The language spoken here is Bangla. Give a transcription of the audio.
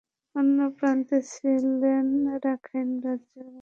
অন্য প্রান্তে ছিলেন রাখাইন রাজ্যের বলিবাজারে থাকা তাঁর মামা মনু মিয়া।